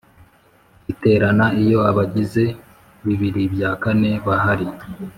Iterana iyo abagize bibiri bya kane bahari